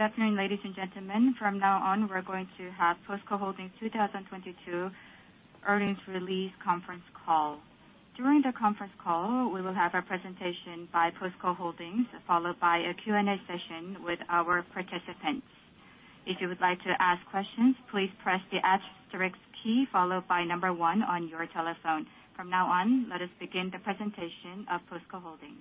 Good afternoon, ladies and gentlemen. From now on, we're going to have POSCO Holdings 2022 earnings release conference call. During the conference call, we will have a presentation by POSCO Holdings, followed by a Q&A session with our participants. If you would like to ask questions, please press the asterisk key followed by number one on your telephone. From now on, let us begin the presentation of POSCO Holdings.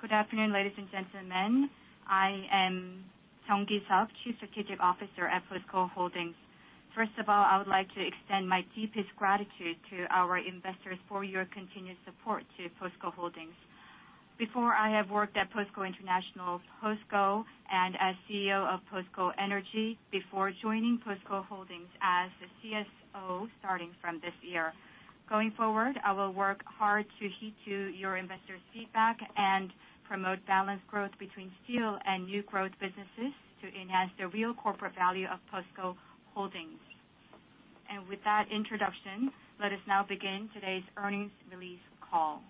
Good afternoon, ladies and gentlemen. I am Jeong Ki-Seop, Chief Strategic Officer at POSCO Holdings. First of all, I would like to extend my deepest gratitude to our investors for your continued support to POSCO Holdings. Before, I have worked at POSCO International, POSCO, and as CEO of POSCO Energy before joining POSCO Holdings as the CSO starting from this year. Going forward, I will work hard to heed to your investors' feedback and promote balanced growth between steel and new growth businesses to enhance the real corporate value of POSCO Holdings. With that introduction, let us now begin today's earnings release call.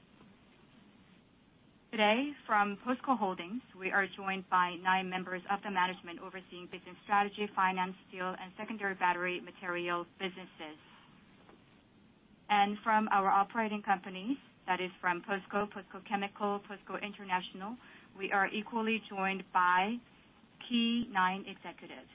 Today, from POSCO Holdings, we are joined by nine members of the management overseeing business strategy, finance, steel and secondary battery material businesses. From our operating companies, that is from POSCO Chemical, POSCO International, we are equally joined by key nine executives.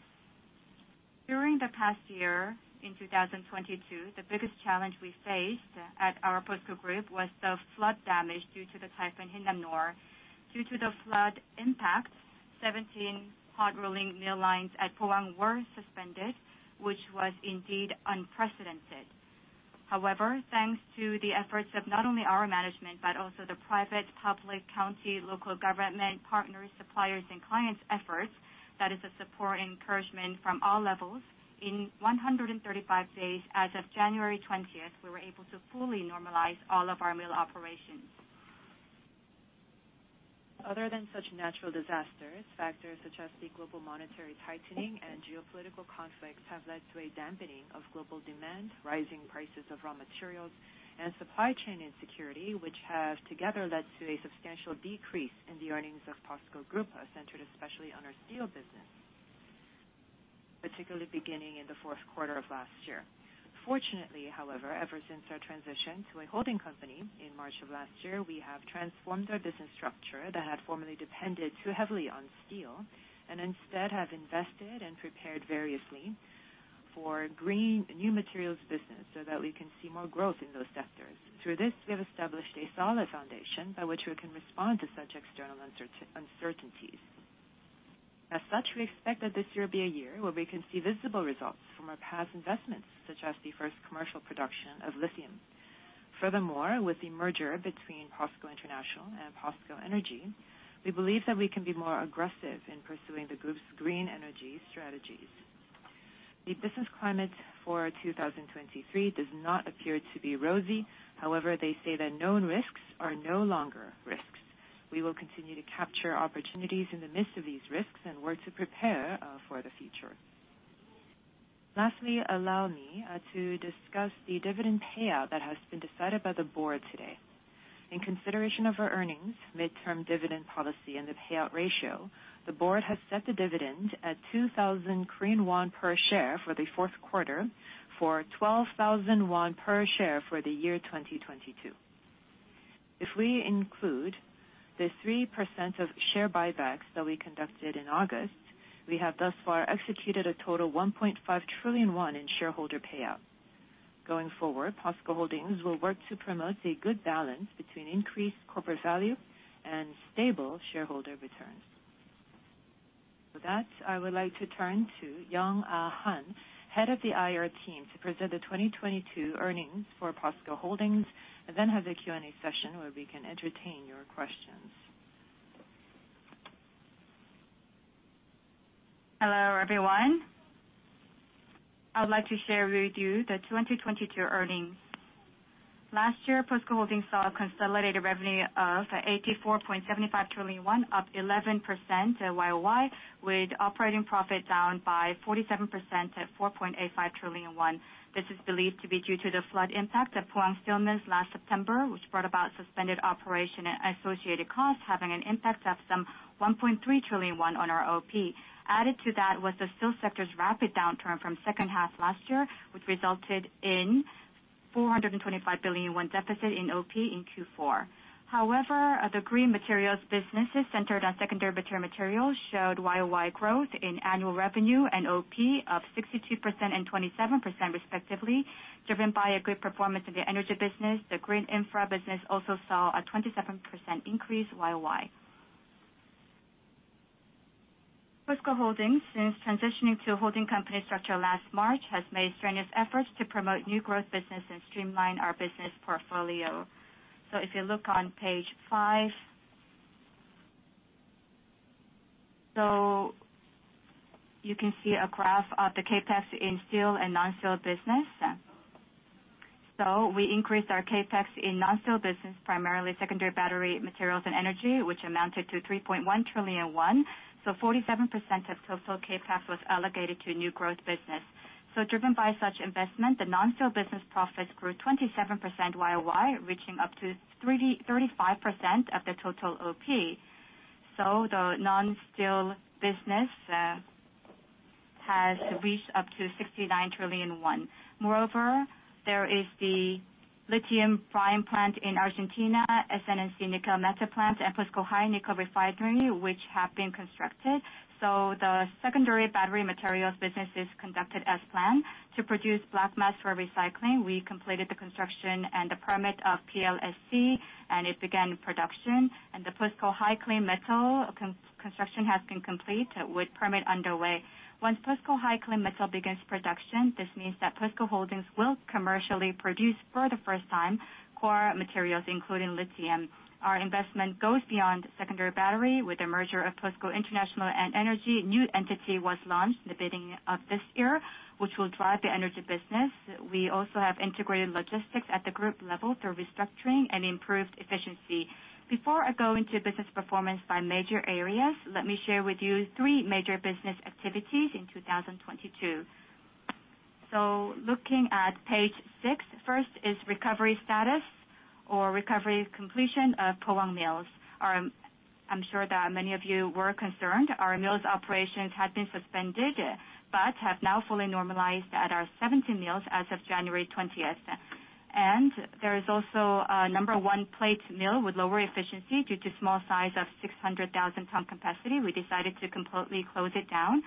During the past year in 2022, the biggest challenge we faced at our POSCO Group was the flood damage due to the typhoon Hinnamnor. Due to the flood impact, 17 hot rolling mill lines at Pohang were suspended, which was indeed unprecedented. However, thanks to the efforts of not only our management, but also the private, public, county, local government partners, suppliers and clients' efforts, that is the support and encouragement from all levels, in 135 days as of January 20th, we were able to fully normalize all of our mill operations. Other than such natural disasters, factors such as the global monetary tightening and geopolitical conflicts have led to a dampening of global demand, rising prices of raw materials, and supply chain insecurity, which have together led to a substantial decrease in the earnings of POSCO Group, centered especially on our steel business, particularly beginning in the fourth quarter of last year. Fortunately, however, ever since our transition to a holding company in March of last year, we have transformed our business structure that had formerly depended too heavily on steel, and instead have invested and prepared variously for green new materials business so that we can see more growth in those sectors. Through this, we have established a solid foundation by which we can respond to such external uncertainties. We expect that this year will be a year where we can see visible results from our past investments, such as the first commercial production of lithium. With the merger between POSCO International and POSCO Energy, we believe that we can be more aggressive in pursuing the group's green energy strategies. The business climate for 2023 does not appear to be rosy. They say that known risks are no longer risks. We will continue to capture opportunities in the midst of these risks and work to prepare for the future. Lastly, allow me to discuss the dividend payout that has been decided by the board today. In consideration of our earnings, midterm dividend policy, and the payout ratio, the board has set the dividend at 2,000 Korean won per share for the fourth quarter, for 12,000 won per share for the year 2022. If we include the 3% of share buybacks that we conducted in August, we have thus far executed a total 1.5 trillion won in shareholder payout. Going forward, POSCO Holdings will work to promote a good balance between increased corporate value and stable shareholder returns. With that, I would like to turn to Young-Ah Han, Head of the IR team, to present the 2022 earnings for POSCO Holdings, and then have the Q&A session where we can entertain your questions. Hello, everyone. I would like to share with you the 2022 earnings. Last year, POSCO Holdings saw a consolidated revenue of 84.75 trillion won, up 11% YOY, with operating profit down by 47% at 4.85 trillion won. This is believed to be due to the flood impact at Pohang Steel Mills last September, which brought about suspended operation and associated costs having an impact of some 1.3 trillion won on our OP. The steel sector's rapid downturn from second half last year resulted in KRW 425 billion deficit in OP in Q4. The green materials businesses centered on secondary battery materials showed YOY growth in annual revenue and OP of 62% and 27% respectively, driven by a good performance in the energy business. The Green Infra business also saw a 27% increase YOY. POSCO Holdings, since transitioning to a holding company structure last March, has made strenuous efforts to promote new growth business and streamline our business portfolio. If you look on page five. You can see a graph of the CapEx in steel and non-steel business. We increased our CapEx in non-steel business, primarily secondary battery materials and energy, which amounted to 3.1 trillion won. 47% of total CapEx was allocated to new growth business. Driven by such investment, the non-steel business profits grew 27% YOY, reaching up to 35% of the total OP. The non-steel business has reached up to 69 trillion won. Moreover, there is the lithium brine plant in Argentina, SNNC nickel metal plant, and POSCO high-purity nickel refinery, which have been constructed. The secondary battery materials business is conducted as planned. To produce black mass for recycling, we completed the construction and the permit of PLSC, and it began production. The POSCO HY Clean Metal construction has been complete with permit underway. Once POSCO HY Clean Metal begins production, this means that POSCO Holdings will commercially produce for the first time core materials, including lithium. Our investment goes beyond secondary battery. With the merger of POSCO International and POSCO Energy, a new entity was launched in the beginning of this year, which will drive the energy business. We also have integrated logistics at the group level through restructuring and improved efficiency. Before I go into business performance by major areas, let me share with you three major business activities in 2022. Looking at page 6, first is recovery status or recovery completion of Pohang Mills. I'm sure that many of you were concerned. Our mills operations had been suspended, but have now fully normalized at our 17 mills as of January 20th. There is also a No. 1 plate mill with lower efficiency due to small size of 600,000 ton capacity. We decided to completely close it down.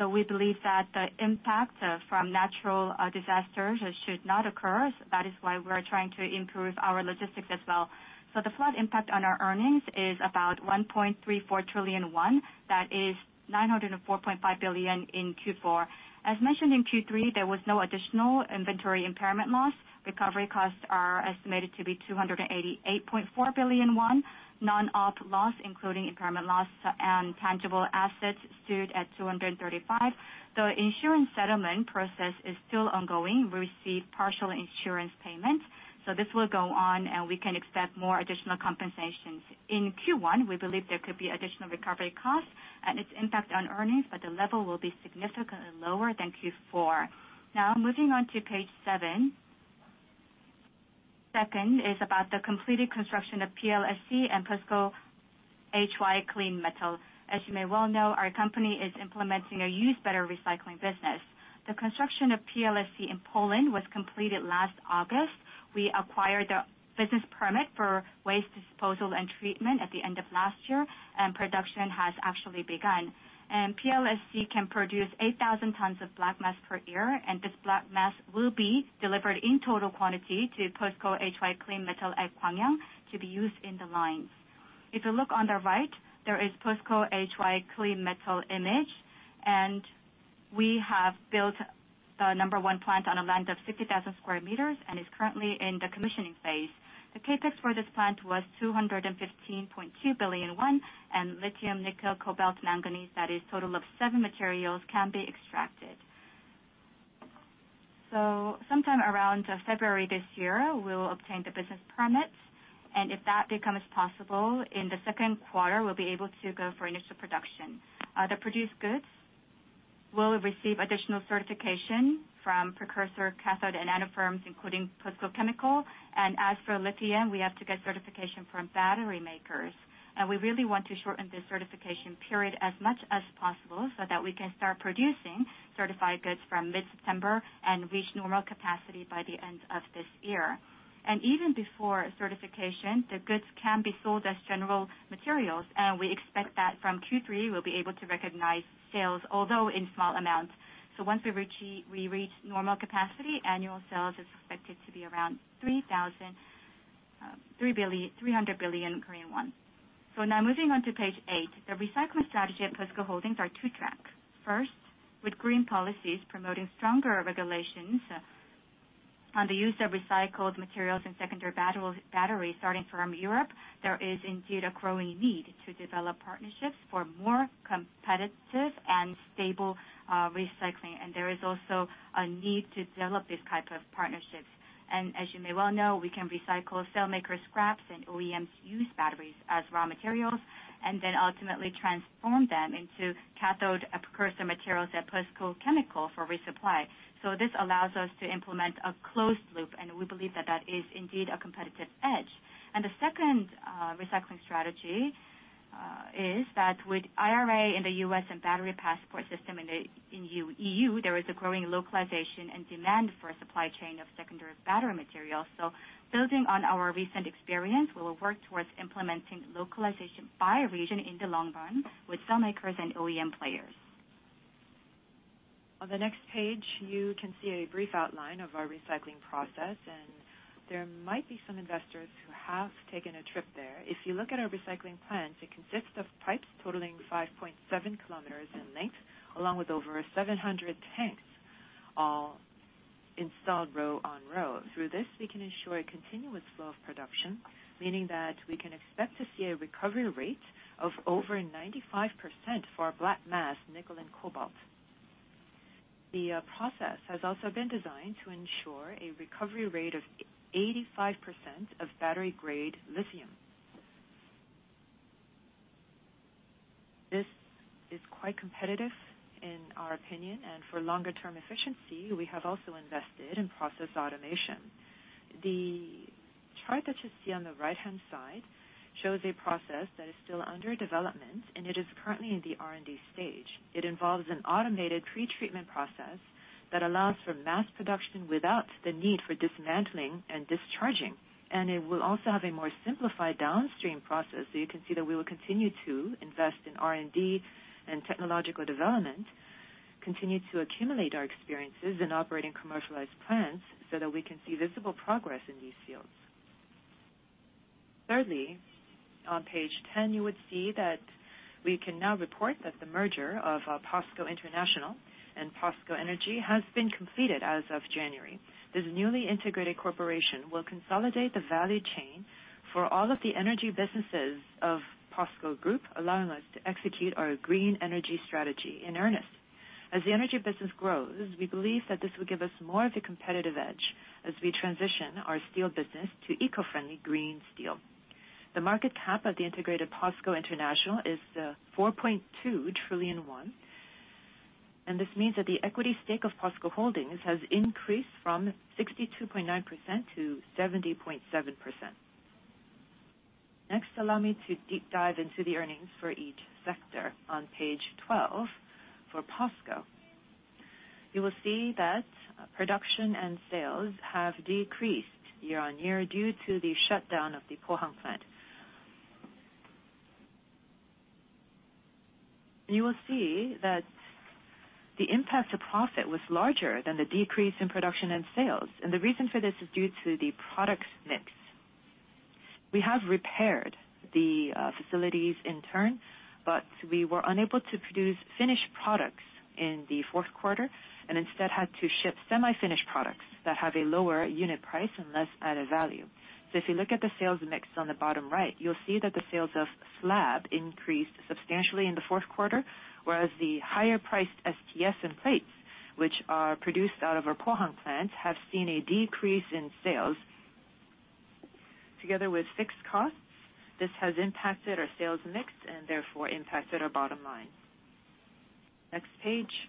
We believe that the impact from natural disasters should not occur. That is why we're trying to improve our logistics as well. The flood impact on our earnings is about 1.34 trillion won. That is 904.5 billion in Q4. As mentioned in Q3, there was no additional inventory impairment loss. Recovery costs are estimated to be 288.4 billion won. Non-OP loss, including impairment loss and tangible assets, stood at 235 billion. The insurance settlement process is still ongoing. We received partial insurance payments, so this will go on, and we can expect more additional compensations. In Q1, we believe there could be additional recovery costs and its impact on earnings, but the level will be significantly lower than Q4. Moving on to page 7. Second is about the completed construction of PLSC and POSCO HY Clean Metal. As you may well know, our company is implementing a used battery recycling business. The construction of PLSC in Poland was completed last August. We acquired the business permit for waste disposal and treatment at the end of last year, and production has actually begun. PLSC can produce 8,000 tons of black mass per year, and this black mass will be delivered in total quantity to POSCO HY Clean Metal at Gwangyang to be used in the lines. If you look on the right, there is POSCO HY Clean Metal image, and we have built the number one plant on a land of 50,000 square meters and is currently in the commissioning phase. The CapEx for this plant was 215.2 billion won, and lithium, nickel, cobalt, manganese, that is total of seven materials can be extracted. Sometime around February this year, we'll obtain the business permits, and if that becomes possible, in the 2Q, we'll be able to go for initial production. The produced goods will receive additional certification from precursor cathode and anode firms, including POSCO Chemical. As for lithium, we have to get certification from battery makers. We really want to shorten the certification period as much as possible so that we can start producing certified goods from mid-September and reach normal capacity by the end of this year. Even before certification, the goods can be sold as general materials, and we expect that from Q3 we'll be able to recognize sales, although in small amounts. Once we reach normal capacity, annual sales is expected to be around 300 billion Korean won. Now moving on to page eight. The recycling strategy at POSCO Holdings are two track. First, with green policies promoting stronger regulations on the use of recycled materials and secondary batteries starting from Europe, there is indeed a growing need to develop partnerships for more competitive and stable recycling. There is also a need to develop these type of partnerships. As you may well know, we can recycle cell maker scraps and OEM used batteries as raw materials and then ultimately transform them into cathode precursor materials at POSCO Chemical for resupply. This allows us to implement a closed loop, and we believe that that is indeed a competitive edge. The second recycling strategy is that with IRA in the U.S. and battery passport system in the EU, there is a growing localization and demand for a supply chain of secondary battery materials. Building on our recent experience, we will work towards implementing localization by region in the long run with cell makers and OEM players. On the next page, you can see a brief outline of our recycling process, and there might be some investors who have taken a trip there. If you look at our recycling plant, it consists of pipes totaling 5.7 km in length, along with over 700 tanks all installed row on row. Through this, we can ensure a continuous flow of production, meaning that we can expect to see a recovery rate of over 95% for our black mass, nickel and cobalt. The process has also been designed to ensure a recovery rate of 85% of battery-grade lithium. This is quite competitive in our opinion, and for longer term efficiency, we have also invested in process automation. The chart that you see on the right-hand side shows a process that is still under development, and it is currently in the R&D stage. It involves an automated pretreatment process that allows for mass production without the need for dismantling and discharging. It will also have a more simplified downstream process. You can see that we will continue to invest in R&D and technological development, continue to accumulate our experiences in operating commercialized plants so that we can see visible progress in these fields. Thirdly, on page 10, you would see that we can now report that the merger of POSCO International and POSCO Energy has been completed as of January. This newly integrated corporation will consolidate the value chain for all of the energy businesses of POSCO Group, allowing us to execute our green energy strategy in earnest. As the energy business grows, we believe that this will give us more of a competitive edge as we transition our steel business to eco-friendly green steel. The market cap of the integrated POSCO International is 4.2 trillion won. This means that the equity stake of POSCO Holdings has increased from 62.9% to 70.7%. Allow me to deep dive into the earnings for each sector. On page 12 for POSCO. You will see that production and sales have decreased year-on-year due to the shutdown of the Pohang plant. You will see that the impact to profit was larger than the decrease in production and sales, and the reason for this is due to the products mix. We have repaired the facilities in turn, but we were unable to produce finished products in the fourth quarter and instead had to ship semi-finished products that have a lower unit price and less added value. If you look at the sales mix on the bottom right, you'll see that the sales of slab increased substantially in the fourth quarter, whereas the higher priced STS and plates, which are produced out of our Pohang plant, have seen a decrease in sales. Together with fixed costs, this has impacted our sales mix and therefore impacted our bottom line. Next page.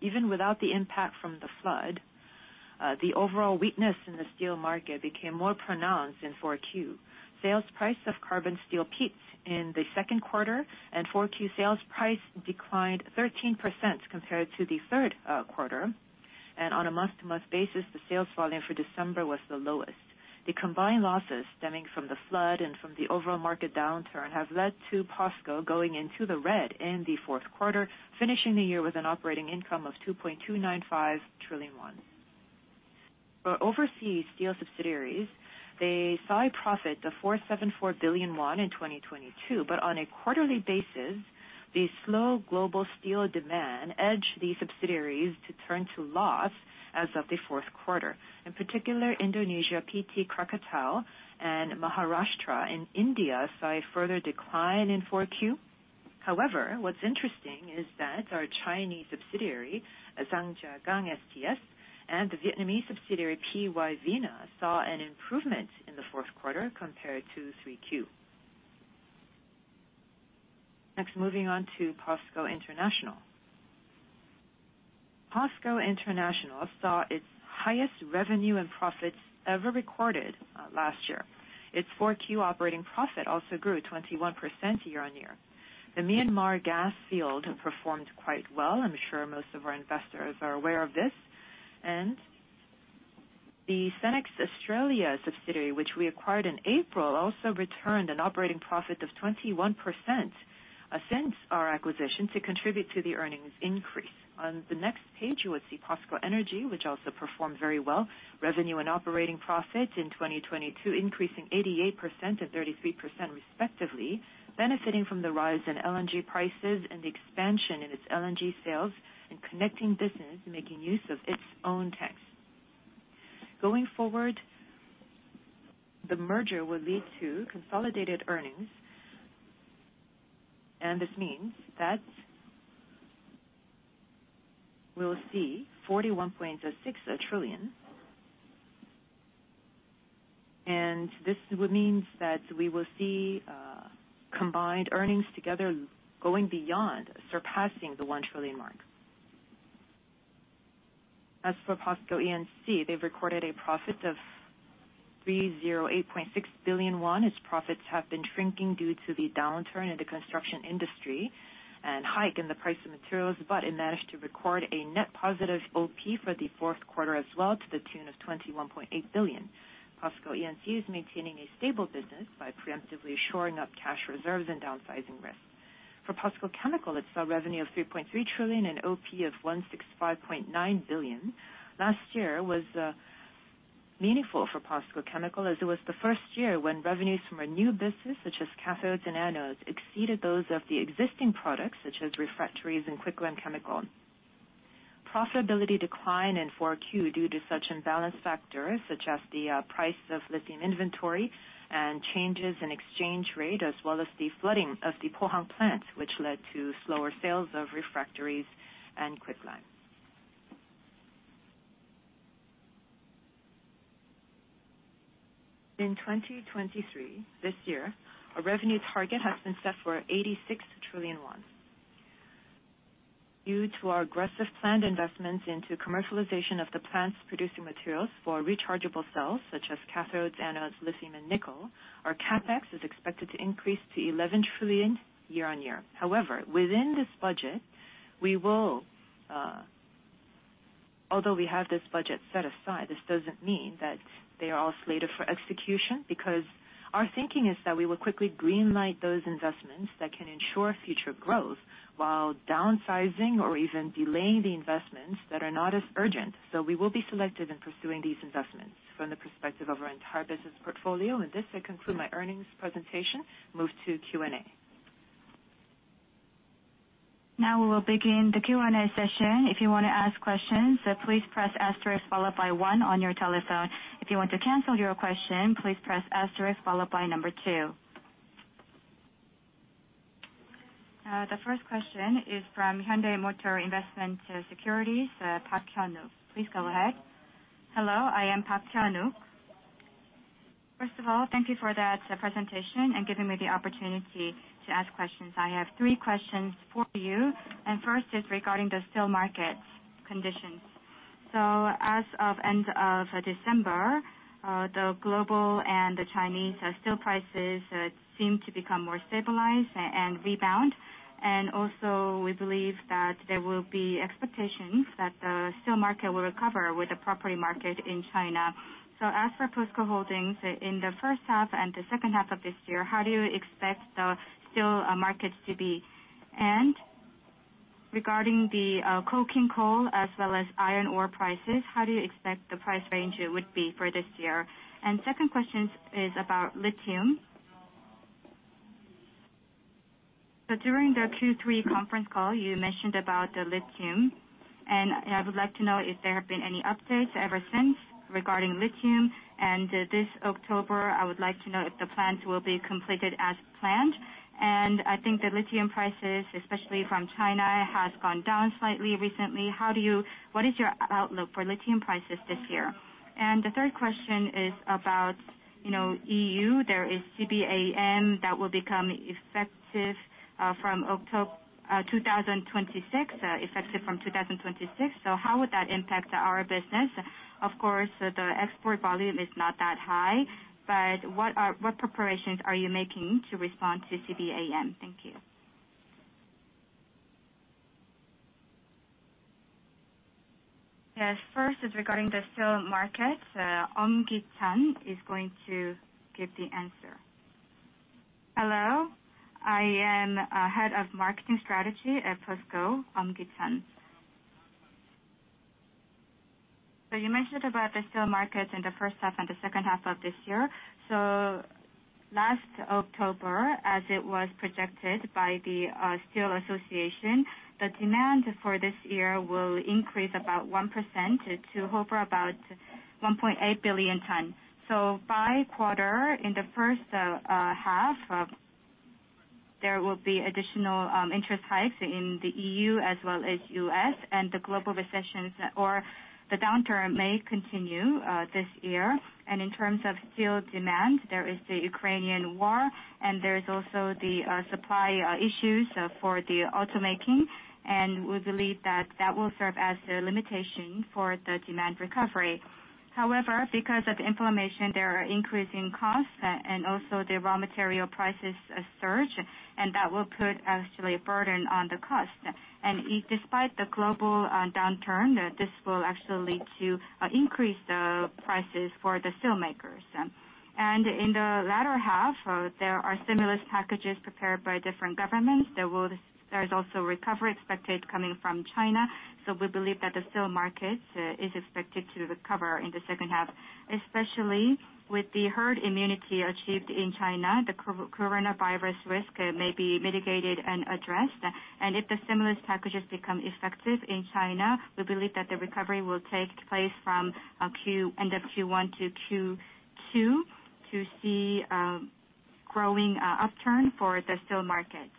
Even without the impact from the flood, the overall weakness in the steel market became more pronounced in 4Q. Sales price of carbon steel peaked in the second quarter and 4Q sales price declined 13% compared to the third quarter. On a month-to-month basis, the sales volume for December was the lowest. The combined losses stemming from the flood and from the overall market downturn have led to POSCO going into the red in the fourth quarter, finishing the year with an operating income of 2.295 trillion won. For overseas steel subsidiaries, they saw a profit of 474 billion won in 2022, but on a quarterly basis, the slow global steel demand edged the subsidiaries to turn to loss as of the fourth quarter. In particular, Indonesia PT Krakatau and Maharashtra in India saw a further decline in 4Q. What's interesting is that our Chinese subsidiary, Zhangjiagang STS, and the Vietnamese subsidiary, POSCO VINA, saw an improvement in the fourth quarter compared to 3Q. Moving on to POSCO International. POSCO International saw its highest revenue and profits ever recorded last year. Its 4Q operating profit also grew 21% YOY. The Myanmar gas field performed quite well. I'm sure most of our investors are aware of this. The Senex Energy subsidiary, which we acquired in April, also returned an operating profit of 21% since our acquisition to contribute to the earnings increase. On the next page, you will see POSCO Energy, which also performed very well. Revenue and operating profit in 2022 increasing 88% and 33% respectively, benefiting from the rise in LNG prices and the expansion in its LNG sales and connecting business making use of its own tanks. Going forward, the merger will lead to consolidated earnings, and this means that we'll see KRW 41.06 trillion. This would means that we will see combined earnings together going beyond surpassing the 1 trillion mark. As for POSCO E&C, they've recorded a profit of 308.6 billion won. Its profits have been shrinking due to the downturn in the construction industry and hike in the price of materials, it managed to record a net positive OP for the fourth quarter as well to the tune of 21.8 billion. POSCO E&C is maintaining a stable business by preemptively shoring up cash reserves and downsizing risks. For POSCO Chemical, it saw revenue of 3.3 trillion and OP of 165.9 billion. Last year was meaningful for POSCO Chemical as it was the first year when revenues from a new business, such as cathodes and anodes, exceeded those of the existing products, such as refractories and quicklime chemical. Profitability declined in Q4 due to such imbalance factors such as the price of lithium inventory and changes in exchange rate, as well as the flooding of the Pohang plant, which led to slower sales of refractories and quicklime. In 2023, this year, our revenue target has been set for 86 trillion won. Due to our aggressive planned investments into commercialization of the plants producing materials for rechargeable cells such as cathodes, anodes, lithium and nickel, our CapEx is expected to increase to 11 trillion year-on-year. However, within this budget, we will... Although we have this budget set aside, this doesn't mean that they are all slated for execution. Because our thinking is that we will quickly green light those investments that can ensure future growth while downsizing or even delaying the investments that are not as urgent. We will be selective in pursuing these investments from the perspective of our entire business portfolio. With this, I conclude my earnings presentation. Move to Q&A. Now we will begin the Q&A session. If you wanna ask questions, please press asterisk followed by one on your telephone. If you want to cancel your question, please press asterisk followed by two. The first question is from Hyundai Motor Securities, Park Hyuk. Please go ahead. Hello, I am Park Hyuk. First of all, thank you for that presentation and giving me the opportunity to ask questions. I have three questions for you. First is regarding the steel market conditions. As of end of December, the global and the Chinese steel prices seem to become more stabilized and rebound. Also we believe that there will be expectations that the steel market will recover with the property market in China. As for POSCO Holdings in the first half and the second half of this year, how do you expect the steel markets to be? Regarding the coking coal as well as iron ore prices, how do you expect the price range it would be for this year? Second question is about lithium. During the Q3 conference call, you mentioned about the lithium, and I would like to know if there have been any updates ever since regarding lithium. This October, I would like to know if the plant will be completed as planned. I think the lithium prices, especially from China, has gone down slightly recently. What is your outlook for lithium prices this year? The third question is about, you know, EU. There is CBAM that will become effective, from October 2026, effective from 2026. How would that impact our business? Of course, the export volume is not that high, but what preparations are you making to respond to CBAM? Thank you. Yes. First is regarding the steel market. Eom Ki-cheon is going to give the answer. Hello, I am Head of Marketing Strategy at POSCO, Eom Ki-cheon. You mentioned about the steel market in the first half and the second half of this year. Last October, as it was projected by the steel association, the demand for this year will increase about 1% to hover about 1.8 billion tons. By quarter, in the first half, there will be additional interest hikes in the EU as well as U.S. and the global recessions or the downturn may continue this year. In terms of steel demand, there is the Ukrainian War, and there is also the supply issues for the automaking. We believe that that will serve as a limitation for the demand recovery. Because of the inflammation, there are increasing costs and also the raw material prices surge, and that will put actually a burden on the cost. Despite the global downturn, this will actually lead to increased prices for the steel makers. In the latter half, there are stimulus packages prepared by different governments. There's also recovery expected coming from China. We believe that the steel market is expected to recover in the second half. Especially with the herd immunity achieved in China, the coronavirus risk may be mitigated and addressed. If the stimulus packages become effective in China, we believe that the recovery will take place from end of Q1 to Q2 to see a growing upturn for the steel market.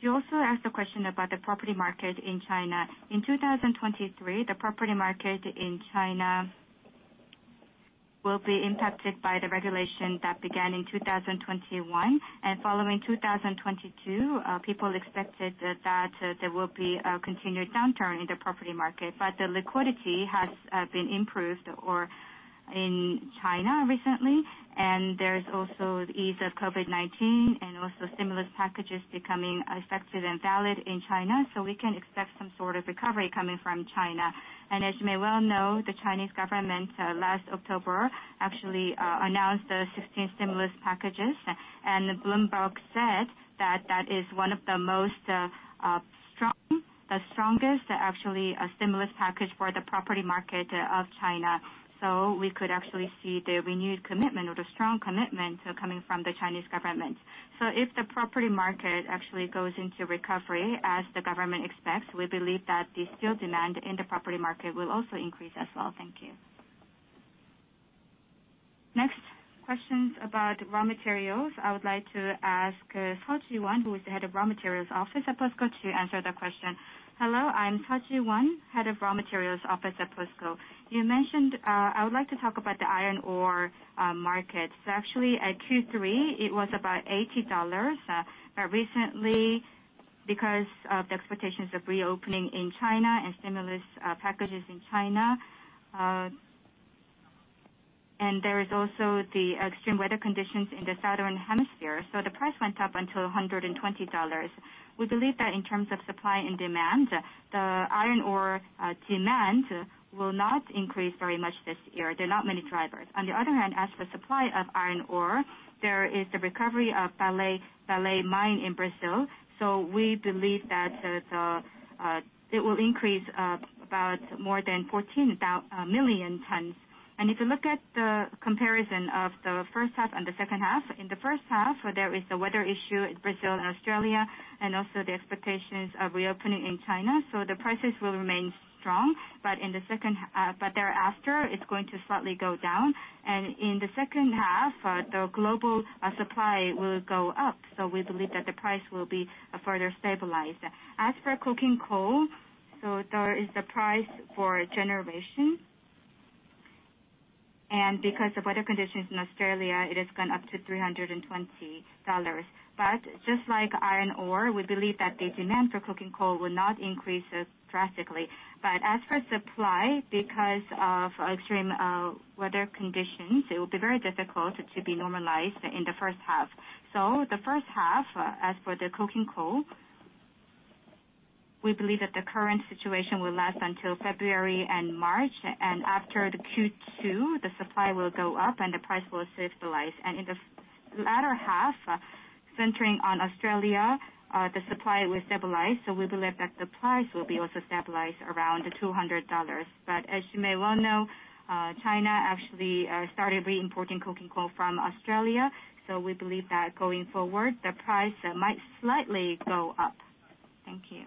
You also asked a question about the property market in China. In 2023, the property market in China will be impacted by the regulation that began in 2021. Following 2022, people expected that there will be a continued downturn in the property market. The liquidity has been improved or in China recently. There's also the ease of COVID-19 and also stimulus packages becoming effective and valid in China. We can expect some sort of recovery coming from China. As you may well know, the Chinese government last October actually announced 16 stimulus packages. Bloomberg said that that is one of the strongest, actually, stimulus package for the property market of China. We could actually see the renewed commitment or the strong commitment coming from the Chinese government. If the property market actually goes into recovery as the government expects, we believe that the steel demand in the property market will also increase as well. Thank you. Next, questions about raw materials. I would like to ask Seo Ji-won, who is the head of raw materials office at POSCO, to answer the question. Hello, I'm Seo Ji-won, Head of Raw Materials Office at POSCO. You mentioned, I would like to talk about the iron ore market. Actually at Q3, it was about $80. Recently because of the expectations of reopening in China and stimulus packages in China, there is also the extreme weather conditions in the Southern Hemisphere. The price went up until $120. We believe that in terms of supply and demand, the iron ore demand will not increase very much this year. There are not many drivers. On the other hand, as for supply of iron ore, there is the recovery of Vale mine in Brazil, we believe that it will increase about more than 14 million tons. If you look at the comparison of the first half and the second half, in the first half, there is the weather issue in Brazil and Australia and also the expectations of reopening in China. The prices will remain strong. In the second half, but thereafter, it's going to slightly go down. In the second half, the global supply will go up. We believe that the price will be further stabilized. As for coking coal, there is the price for generation. Because of weather conditions in Australia, it has gone up to $320. Just like iron ore, we believe that the demand for coking coal will not increase drastically. As for supply, because of extreme weather conditions, it will be very difficult to be normalized in the first half. The first half, as for the coking coal, we believe that the current situation will last until February and March, and after the Q2, the supply will go up and the price will stabilize. In the latter half, centering on Australia, the supply will stabilize, so we believe that the price will be also stabilized around $200. As you may well know, China actually started reimporting coking coal from Australia, so we believe that going forward, the price might slightly go up. Thank you.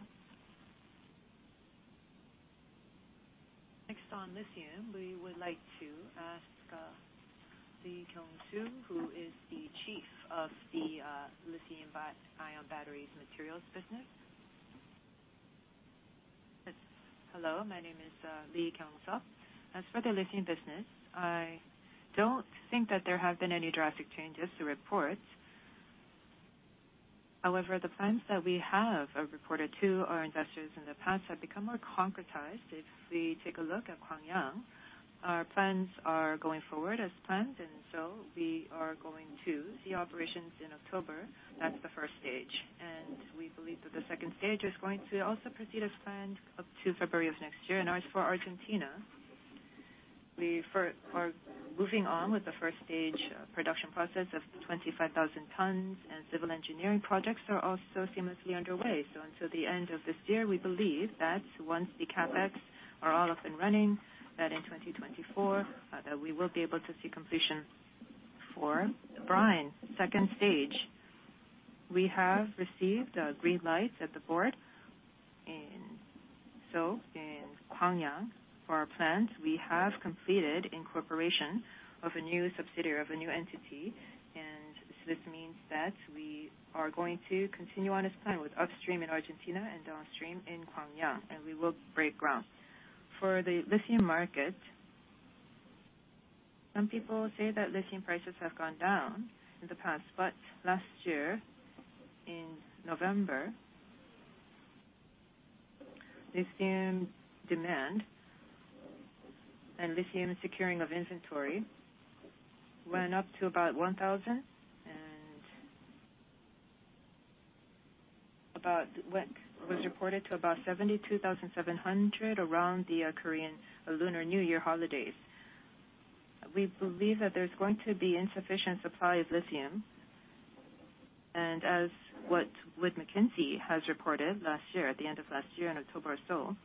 Next on lithium, we would like to ask, Lee Kyeong-seob, who is the Chief of the Lithium-Ion Batteries Materials Business. Hello, my name is Lee Kyeong-seob. As for the lithium business, I don't think that there have been any drastic changes to report. However, the plans that we have reported to our investors in the past have become more concretized. If we take a look at Gwangyang, our plans are going forward as planned, we are going to see operations in October. That's the first stage. We believe that the second stage is going to also proceed as planned up to February of next year. As for Argentina, we are moving on with the first stage production process of 25,000 tons, and civil engineering projects are also seamlessly underway. Until the end of this year, we believe that once the CapEx are all up and running, that in 2024, we will be able to see completion. For brine, second stage, we have received a green light at the board. In Gwangyang, for our plans, we have completed incorporation of a new subsidiary, of a new entity. This means that we are going to continue on as planned with upstream in Argentina and downstream in Gwangyang, and we will break ground. For the lithium market, some people say that lithium prices have gone down in the past, but last year in November, lithium demand and lithium securing of inventory went up to about 1,000 and was reported to about 72,700 around the Korean Lunar New Year holidays. We believe that there's going to be insufficient supply of lithium. As what McKinsey has reported last year, at the end of last year in October or so,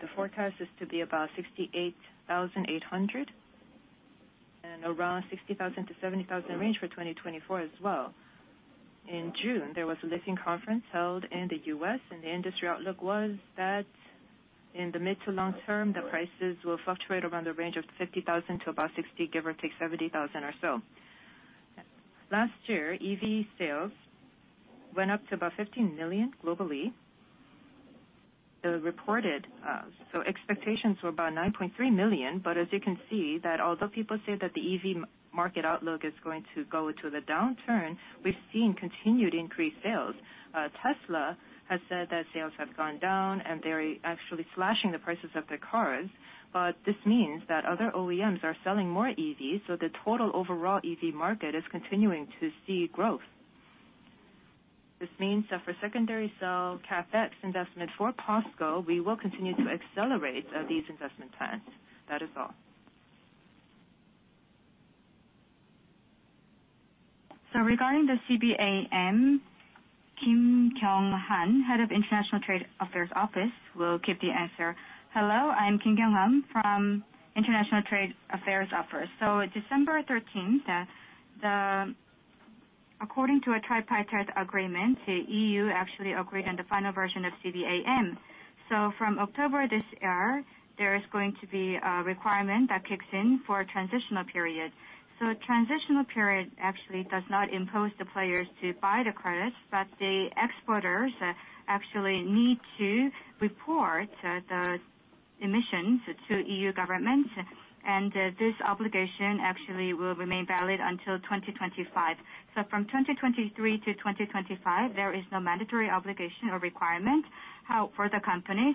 the forecast is to be about $68,800 and around $60,000-$70,000 range for 2024 as well. In June, there was a lithium conference held in the U.S., and the industry outlook was that in the mid to long term, the prices will fluctuate around the range of $50,000 to about $60,000, give or take $70,000 or so. Last year, EV sales went up to about 15 million globally. The reported, so expectations were about 9.3 million, but as you can see that although people say that the EV market outlook is going to go to the downturn, we've seen continued increased sales. Tesla has said that sales have gone down, and they're actually slashing the prices of their cars, but this means that other OEMs are selling more EVs, so the total overall EV market is continuing to see growth. This means that for secondary cell CapEx investment for POSCO, we will continue to accelerate these investment plans. That is all. Regarding the CBAM, Kim Kyoung-han, Head of International Trade Affairs Office will give the answer. Hello, I'm Kim Kyoung-han from International Trade Affairs Office. December 13th, according to a tripartite agreement, the EU actually agreed on the final version of CBAM. From October this year, there is going to be a requirement that kicks in for a transitional period. A transitional period actually does not impose the players to buy the credits, but the exporters actually need to report the emissions to EU governments. This obligation actually will remain valid until 2025. From 2023 to 2025, there is no mandatory obligation or requirement for the companies.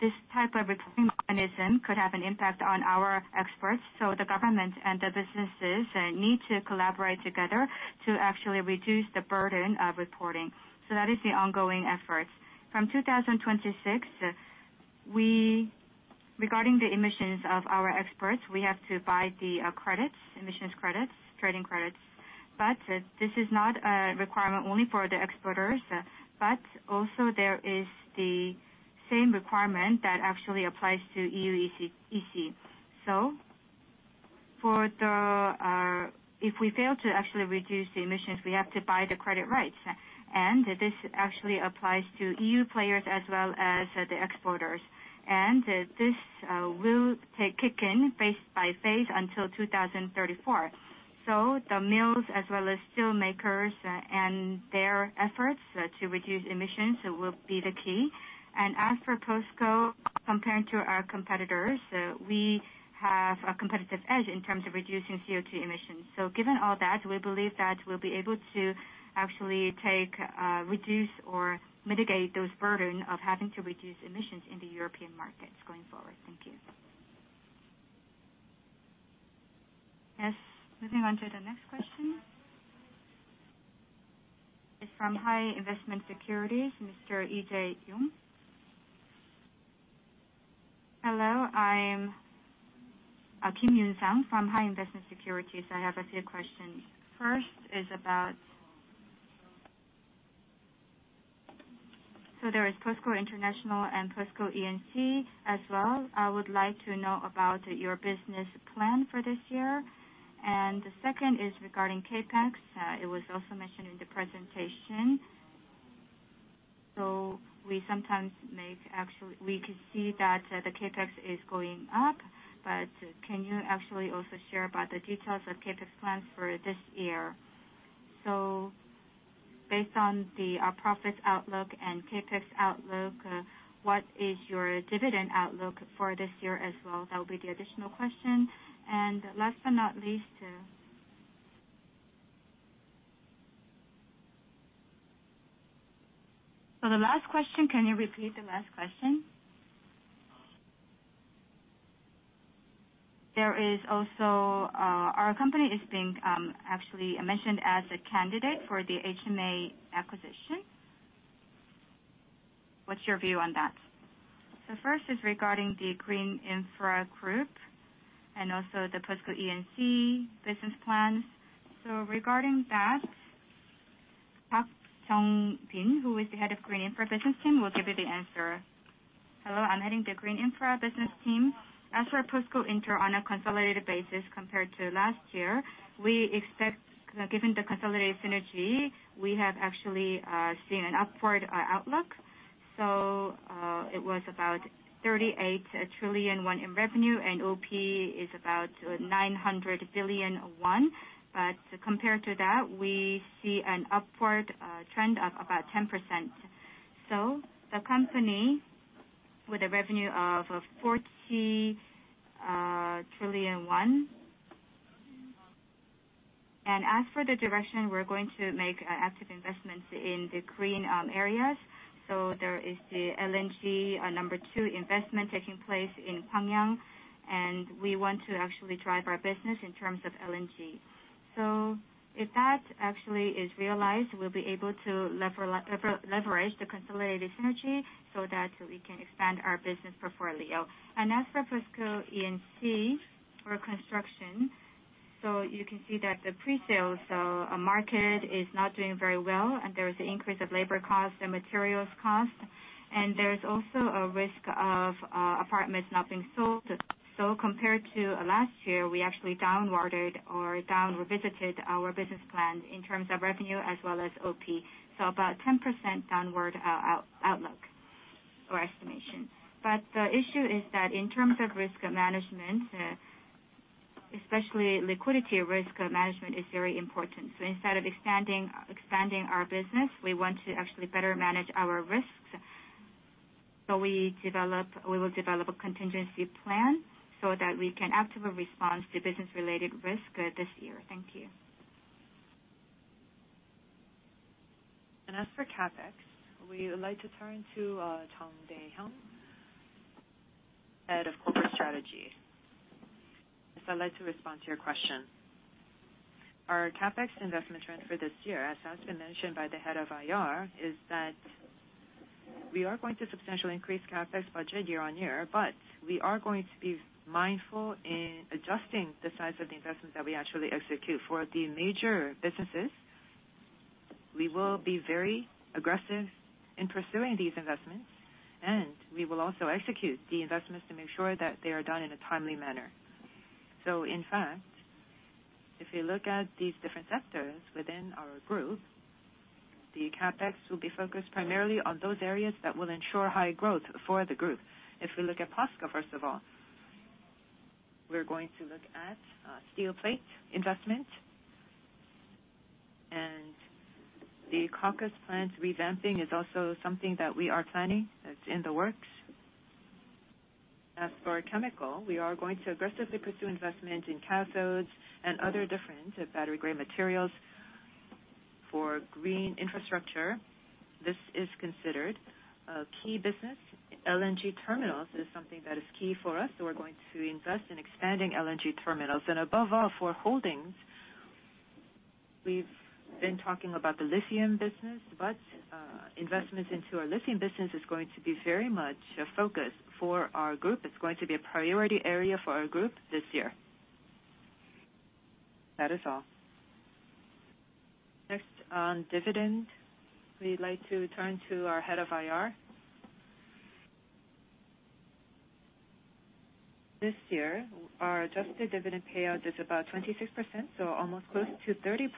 This type of reporting mechanism could have an impact on our exports, the government and the businesses need to collaborate together to actually reduce the burden of reporting. That is the ongoing efforts. From 2026, regarding the emissions of our exports, we have to buy the credits, emissions credits, trading credits. This is not a requirement only for the exporters, but also there is the same requirement that actually applies to EU EC. For the, if we fail to actually reduce the emissions, we have to buy the credit rights. This actually applies to EU players as well as the exporters. This will take kick in phase by phase until 2034. The mills as well as steel makers and their efforts to reduce emissions will be the key. As for POSCO, comparing to our competitors, we have a competitive edge in terms of reducing CO2 emissions. Given all that, we believe that we'll be able to actually take, reduce or mitigate those burden of having to reduce emissions in the European markets going forward. Thank you. Moving on to the next question. It's from HI Investment Securities, Mr. Eugene Lee. Hello, I'm Kim Yoon Sang from HI Investment Securities. I have a few questions. First is about... There is POSCO International and POSCO E&C as well. I would like to know about your business plan for this year. The second is regarding CapEx. It was also mentioned in the presentation. We sometimes could see that the CapEx is going up. Can you actually also share about the details of CapEx plans for this year? Based on the profits outlook and CapEx outlook, what is your dividend outlook for this year as well? That would be the additional question. Last but not least, the last question, can you repeat the last question? There is also, our company is being actually mentioned as a candidate for the HMM acquisition. What's your view on that? First is regarding the Green Infra group and also the POSCO E&C business plans. Regarding that, Jeong-Bin Park, who is the Head of Green Infra Business Team, will give you the answer. Hello, I'm heading the Green Infra business team. As for POSCO Inter on a consolidated basis compared to last year, we expect, given the consolidated synergy, we have actually seen an upward outlook. It was about 38 trillion won in revenue, and OP is about 900 billion won. Compared to that, we see an upward trend of about 10%. The company with a revenue of 40 trillion won. As for the direction, we're going to make active investments in the green areas. There is the LNG number two investment taking place in Gwangyang, and we want to actually drive our business in terms of LNG. If that actually is realized, we'll be able to leverage the consolidated synergy so that we can expand our business portfolio. As for POSCO E&C for construction, you can see that the pre-sales market is not doing very well, and there is an increase of labor cost and materials cost. There is also a risk of apartments not being sold. Compared to last year, we actually downwarded or down-revisited our business plan in terms of revenue as well as OP. About 10% downward outlook or estimation. The issue is that in terms of risk management, especially liquidity risk management is very important. Instead of expanding our business, we want to actually better manage our risks. We will develop a contingency plan so that we can actively respond to business-related risk this year. Thank you. As for CapEx, we would like to turn to Jung Dae-hyung, Head of Corporate Strategy. Yes, I'd like to respond to your question. Our CapEx investment trend for this year, as has been mentioned by the Head of IR, is that we are going to substantially increase CapEx budget year-on-year, but we are going to be mindful in adjusting the size of the investments that we actually execute. For the major businesses, we will be very aggressive in pursuing these investments, and we will also execute the investments to make sure that they are done in a timely manner. In fact, if you look at these different sectors within our group, the CapEx will be focused primarily on those areas that will ensure high growth for the group. If we look at POSCO, first of all, we're going to look at steel plate investment. The coke plant revamping is also something that we are planning. It's in the works. As for chemical, we are going to aggressively pursue investment in cathodes and other different battery grade materials. For green infrastructure, this is considered a key business. LNG terminals is something that is key for us, so we're going to invest in expanding LNG terminals. Above all, for holdings, we've been talking about the lithium business, but investments into our lithium business is going to be very much a focus for our group. It's going to be a priority area for our group this year. That is all. Next on dividend, we'd like to turn to our Head of IR. This year, our adjusted dividend payout is about 26%, so almost close to 30%.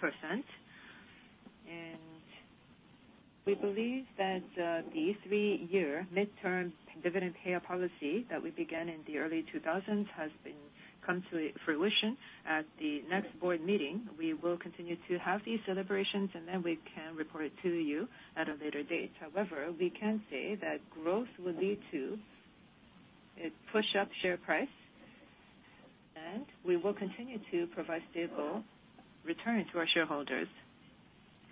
We believe that the three-year midterm dividend payout policy that we began in the early 2000s has been come to fruition. At the next board meeting, we will continue to have these celebrations, and then we can report it to you at a later date. We can say that growth will lead to a push up share price, and we will continue to provide stable return to our shareholders.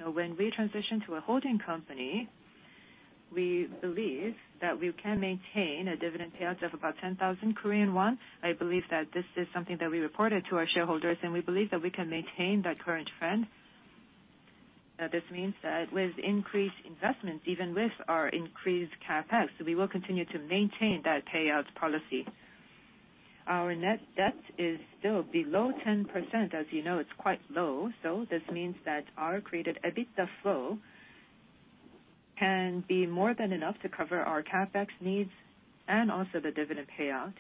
When we transition to a holding company, we believe that we can maintain a dividend payout of about 10,000 Korean won. I believe that this is something that we reported to our shareholders, and we believe that we can maintain that current trend. This means that with increased investments, even with our increased CapEx, we will continue to maintain that payouts policy. Our net debt is still below 10%. As you know, it's quite low. This means that our created EBITDA flow can be more than enough to cover our CapEx needs and also the dividend payout.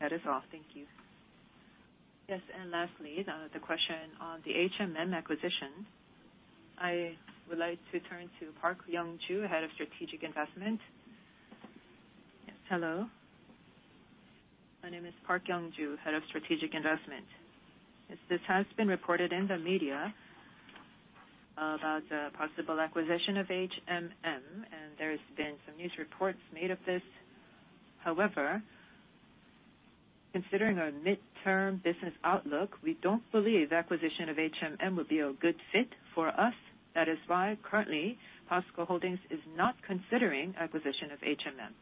That is all. Thank you. Yes, lastly, the question on the HMM acquisition. I would like to turn to Park Young-joo, Head of Strategic Investment. Hello. My name is Park Young-joo, Head of Strategic Investment. This has been reported in the media about the possible acquisition of HMM, and there's been some news reports made of this. Considering our midterm business outlook, we don't believe acquisition of HMM would be a good fit for us. That is why currently, POSCO Holdings is not considering acquisition of HMM.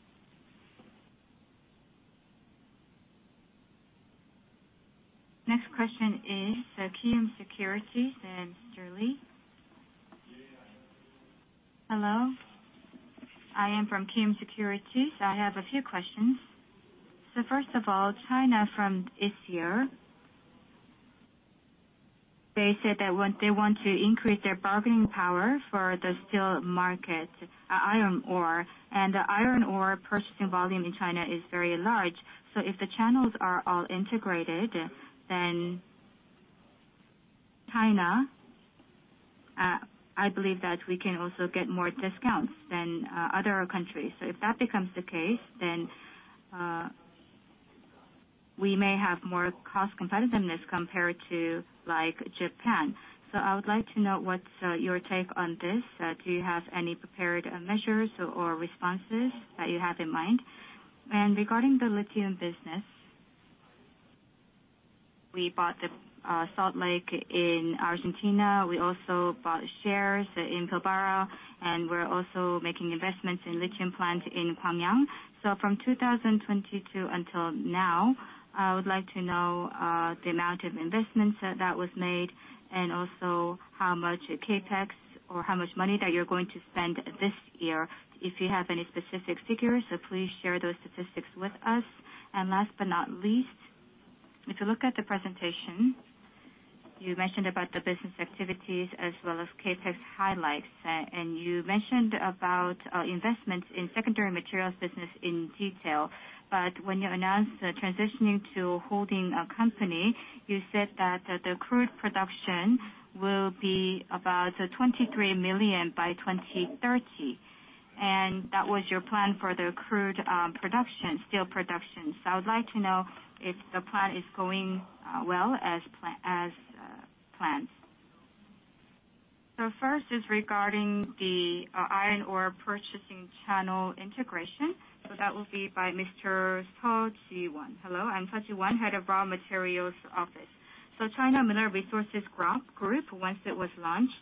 Next question is, Kiwoom Securities and Mr. Lee. Hello. I am from Kiwoom Securities. I have a few questions. First of all, China from this year, they said that they want to increase their bargaining power for the steel market, iron ore. The iron ore purchasing volume in China is very large. If the channels are all integrated, then China, I believe that we can also get more discounts than other countries. If that becomes the case, then we may have more cost competitiveness compared to like Japan. I would like to know what's your take on this. Do you have any prepared measures or responses that you have in mind? Regarding the lithium business, we bought the salt lake in Argentina. We also bought shares in Pilbara, and we're also making investments in lithium plant in Gwangyang. From 2020 to until now, I would like to know the amount of investments that was made and also how much CapEx or how much money that you're going to spend this year. If you have any specific figures, please share those statistics with us. Last but not least, if you look at the presentation, you mentioned about the business activities as well as CapEx highlights. You mentioned about investments in secondary materials business in detail. When you announced transitioning to holding a company, you said that the crude production will be about 23 million by 2030. That was your plan for the crude production, steel production. I would like to know if the plan is going well as planned. First is regarding the iron ore purchasing channel integration. That will be by Mr. Seo Ji-won. Hello, I'm Seo Ji-won, Head of Raw Materials Office. China Mineral Resources Group, once it was launched,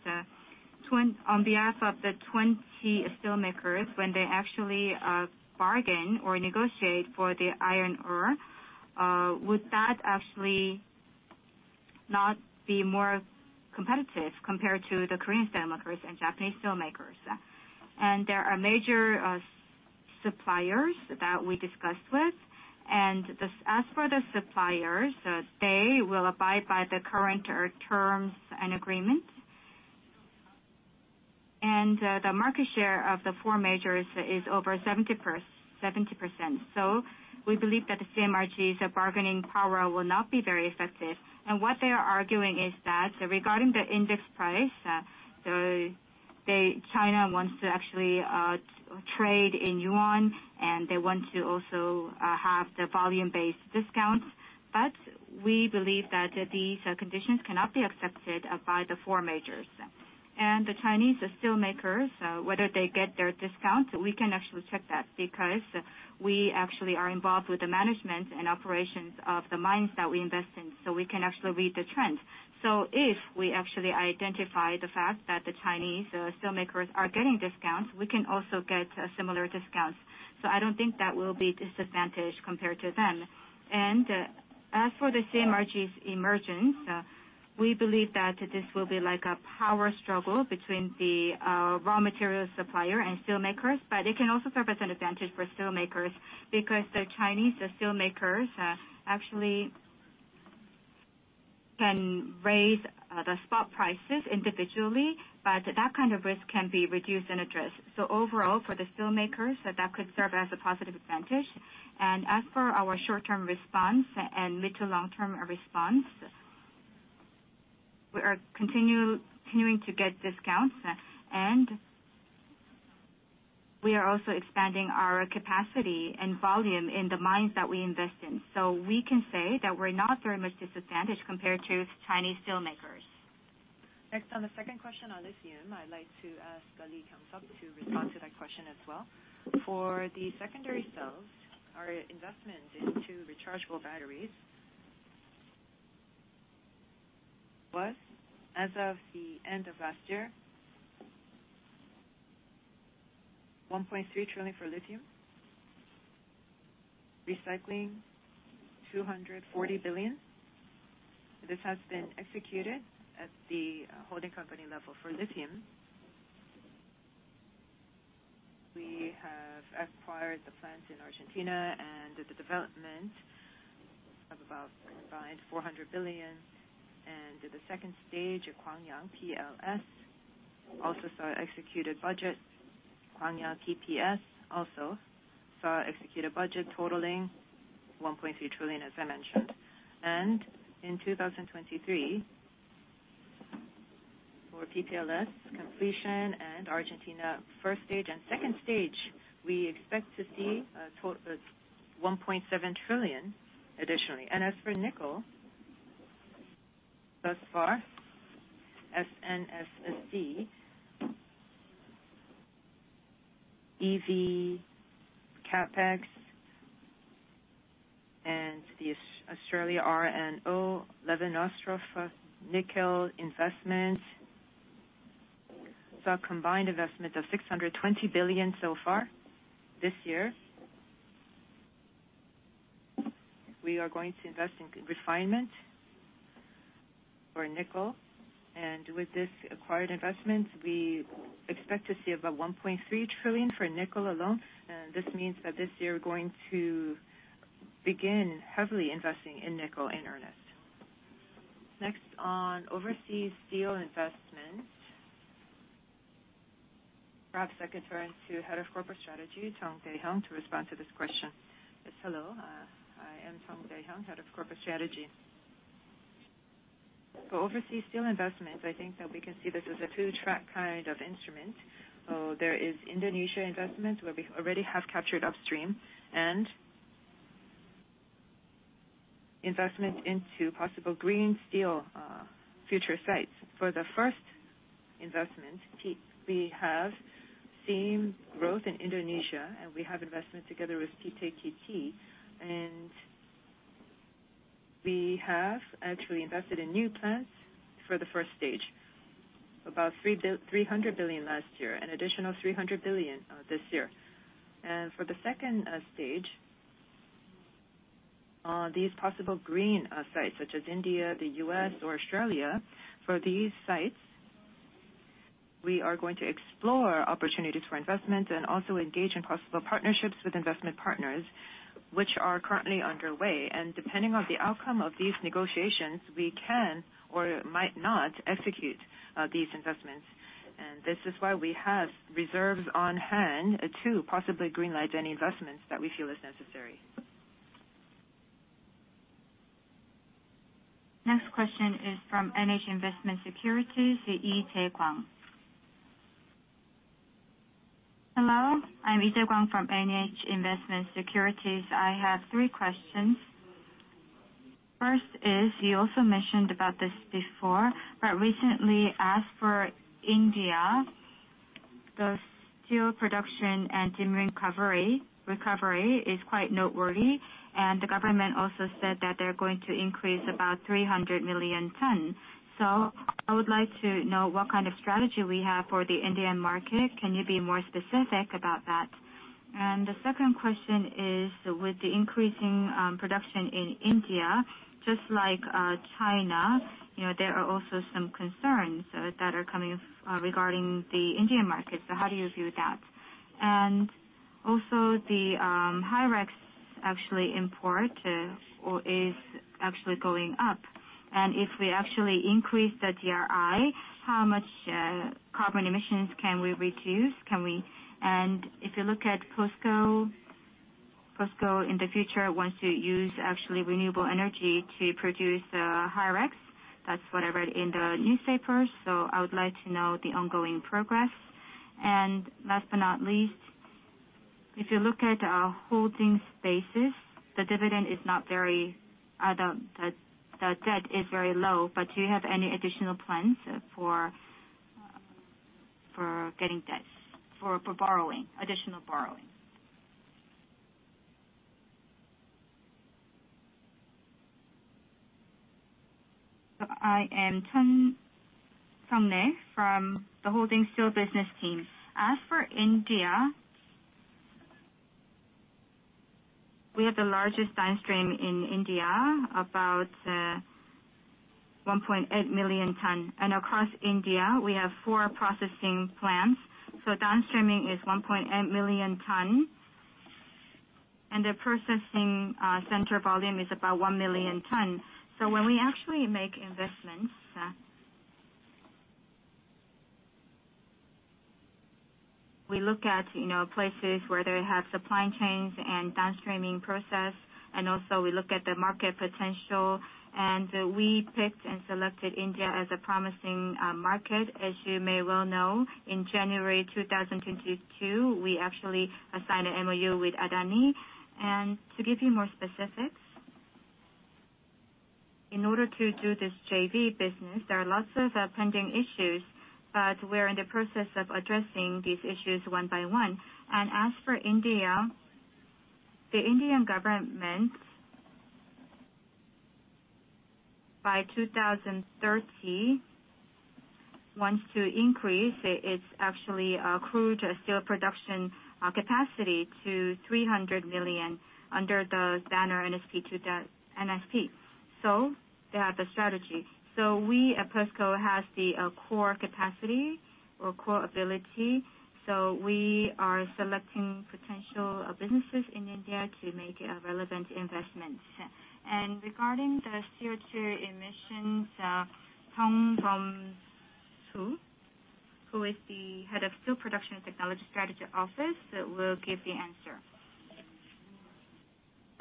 on behalf of the 20 steelmakers, when they actually bargain or negotiate for the iron ore, would that actually not be more competitive compared to the Korean steelmakers and Japanese steelmakers? There are major suppliers that we discussed with. As for the suppliers, they will abide by the current terms and agreements. The market share of the four majors is over 70%. We believe that the CMRG's bargaining power will not be very effective. What they are arguing is that regarding the index price, China wants to actually trade in yuan, and they want to also have the volume-based discounts. We believe that these conditions cannot be accepted by the four majors. The Chinese steelmakers, whether they get their discounts, we can actually check that because we actually are involved with the management and operations of the mines that we invest in, so we can actually read the trends. If we actually identify the fact that the Chinese steelmakers are getting discounts, we can also get similar discounts. I don't think that will be disadvantage compared to them. As for the CMRG's emergence, we believe that this will be like a power struggle between the raw material supplier and steelmakers, but it can also serve as an advantage for steelmakers because the Chinese steelmakers actually can raise the spot prices individually, but that kind of risk can be reduced and addressed. Overall, for the steelmakers, that could serve as a positive advantage. As for our short-term response and mid to long-term response, we are continuing to get discounts, and we are also expanding our capacity and volume in the mines that we invest in. We can say that we're not very much disadvantaged compared to Chinese steelmakers. On the second question on lithium, I'd like to ask Lee Kyung-sub to respond to that question as well. For the secondary cells, our investment into rechargeable batteries was, as of the end of last year, $1.3 trillion for lithium. Recycling, $240 billion. This has been executed at the holding company level for lithium. We have acquired the plant in Argentina and the development of about combined $400 billion. The second stage at Gwangyang PLS also saw executed budget. Gwangyang TPS also saw executed budget totaling $1.3 trillion, as I mentioned. In 2023, for PTLS completion and Argentina first stage and second stage, we expect to see a total $1.7 trillion additionally. As for nickel, thus far, SNNC, EV CapEx, and the Australia RNO Ravensthorpe for nickel investment, saw a combined investment of $620 billion so far this year. We are going to invest in refinement for nickel. With this acquired investment, we expect to see about 1.3 trillion for nickel alone. This means that this year we're going to begin heavily investing in nickel in earnest. Next, on overseas steel investment. Perhaps I could turn to Head of Corporate Strategy, Jung Dae-hyung, to respond to this question. Yes. Hello. I am Jung Dae-hyung, Head of Corporate Strategy. For overseas steel investments, I think that we can see this as a two-track kind of instrument. There is Indonesia investment, where we already have captured upstream, and investment into possible green steel, future sites. For the first investment, we have seen growth in Indonesia, and we have investment together with PTT. We have actually invested in new plants for the first stage, about 300 billion last year, an additional 300 billion this year. For the second stage, these possible green sites, such as India, the U.S., or Australia, for these sites, we are going to explore opportunities for investment and also engage in possible partnerships with investment partners which are currently underway. Depending on the outcome of these negotiations, we can or might not execute these investments. This is why we have reserves on hand to possibly green light any investments that we feel is necessary. Next question is from NH Investment Securities, Lee Jae-kyung. Hello, I'm Lee Jae-kyung from NH Investment & Securities. I have three questions. First is, you also mentioned about this before, but recently, as for India, the steel production and demand recovery is quite noteworthy, and the government also said that they're going to increase about 300 million tons. I would like to know what kind of strategy we have for the Indian market. Can you be more specific about that? The second question is, with the increasing production in India, just like China, you know, there are also some concerns that are coming regarding the Indian market. How do you view that? Also the HyREX actually import or is actually going up. If we actually increase the GRI, how much carbon emissions can we reduce? If you look at POSCO POSCO in the future wants to use actually renewable energy to produce HYREX. That's what I read in the newspaper, so I would like to know the ongoing progress. Last but not least, if you look at our holding spaces, the dividend is not very... the debt is very low, do you have any additional plans for getting debts, for borrowing, additional borrowing? I am Chun Sung-rae from the Holding Steel Business Team. As for India, we have the largest downstream in India, about 1.8 million tons. Across India, we have four processing plants. Downstreaming is 1.8 million tons. The processing center volume is about 1 million tons. When we actually make investments, we look at, you know, places where they have supply chains and downstreaming process, and also we look at the market potential. We picked and selected India as a promising market. As you may well know, in January 2022, we actually signed an MOU with Adani. To give you more specifics, in order to do this JV business, there are lots of pending issues, but we're in the process of addressing these issues one by one. As for India, the Indian government, by 2030 wants to increase its actually crude steel production capacity to 300 million under the banner NSP two dot NSP. They have the strategy. We at POSCO has the core capacity or core ability, so we are selecting potential businesses in India to make relevant investments. Regarding the CO2 emissions, Cheon Si-yeol, who is the Head of Production Technology Strategy Office, will give the answer.